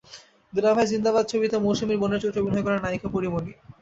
দুলাভাই জিন্দাবাদ ছবিতে মৌসুমীর বোনের চরিত্রে অভিনয় করবেন নায়িকা পরীমনি।